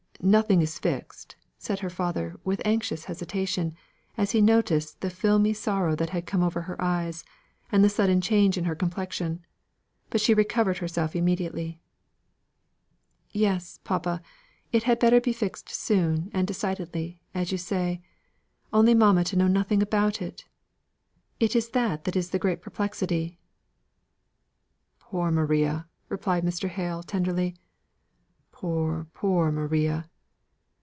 Nothing is fixed," said her father, with anxious hesitation, as he noticed the filmy sorrow that came over her eyes, and the sudden change in her complexion. But she recovered herself immediately. "Yes, papa, it had better be fixed soon and decidedly, as you say. Only mamma to know nothing about it! It is that that is the great perplexity." "Poor Maria!" replied Mr. Hale tenderly. "Poor, poor Maria!